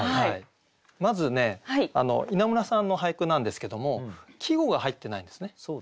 まずね稲村さんの俳句なんですけども季語が入ってないんですね。